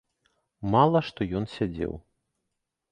Мала што ён сядзеў.